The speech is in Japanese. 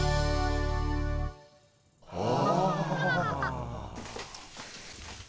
ああ。